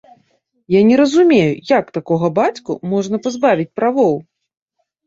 Я не разумею, як такога бацьку можна пазбавіць правоў!